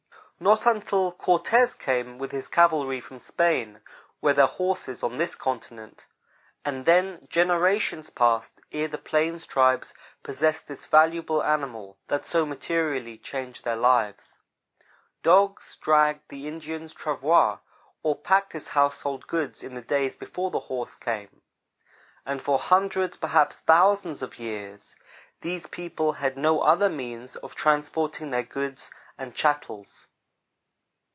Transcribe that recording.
Not until Cortez came with his cavalry from Spain, were there horses on this continent, and then generations passed ere the plains tribes possessed this valuable animal, that so materially changed their lives. Dogs dragged the Indian's travois or packed his household goods in the days before the horse came, and for hundreds perhaps thousands of years, these people had no other means of trans porting their goods and chattels.